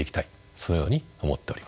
そのように思っております。